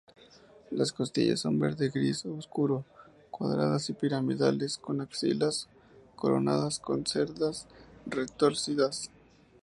Las costillas son verde-gris oscuro, cuadradas y piramidales, con axilas coronadas con cerdas retorcidas.